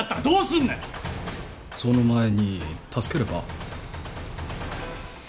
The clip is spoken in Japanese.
その前に助ければ？